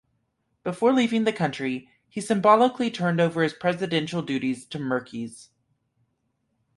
Before leaving the country, he symbolically turned over his presidential duties to Merkys.